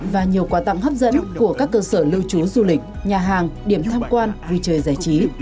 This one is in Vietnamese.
và nhiều quà tặng hấp dẫn của các cơ sở lưu trú du lịch nhà hàng điểm tham quan vui chơi giải trí